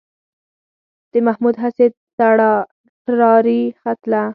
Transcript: د محمود هسې ټراري ختله.